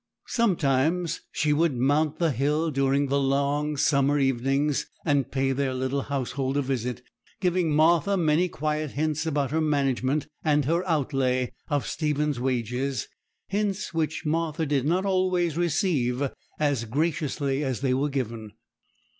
Sometimes she would mount the hill during the long summer evenings, and pay their little household a visit, giving Martha many quiet hints about her management and her outlay of Stephen's wages; hints which Martha did not always receive as graciously as they were given.